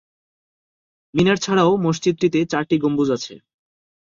মিনার ছাড়াও মসজিদটিতে চারটি গম্বুজ আছে।